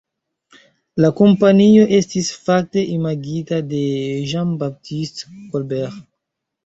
La kompanio estis fakte imagita de Jean-Baptiste Colbert.